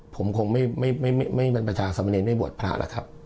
ผมคงไม่เป็นประชาสมเนรไม่บวชพระแล้วครับ